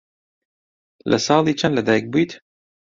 لە ساڵی چەند لەدایک بوویت؟